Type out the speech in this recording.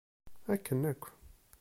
Akken akk!